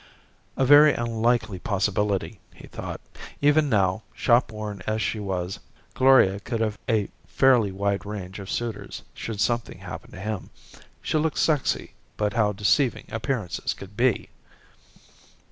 A very unlikely possibility, he thought. Even now, shopworn as she was, Gloria could have a fairly wide range of suitors should something happen to him. She looked sexy, but how deceiving appearances could be!